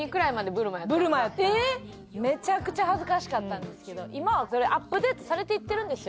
めちゃくちゃ恥ずかしかったんですけど今はアップデートされていってるんですよ。